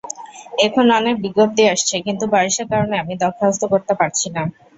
এখন অনেক বিজ্ঞপ্তি আসছে কিন্তু বয়সের কারণে আমি দরখাস্ত করতে পারছি না।